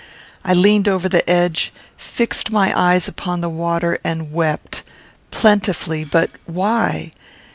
I leaned over the edge; fixed my eyes upon the water and wept plentifully; but why?